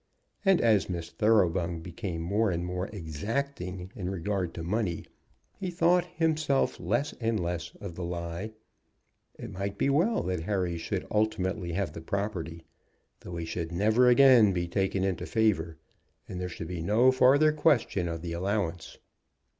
And as Miss Thoroughbung became more and more exacting in regard to money, he thought, himself, less and less of the lie. It might be well that Harry should ultimately have the property, though he should never again be taken into favor, and there should be no farther question of the allowance.